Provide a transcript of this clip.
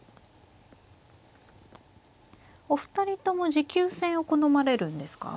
お二人とも持久戦を好まれるんですか。